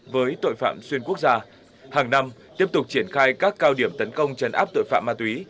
với tội phạm xuyên quốc gia hàng năm tiếp tục triển khai các cao điểm tấn công chấn áp tội phạm ma túy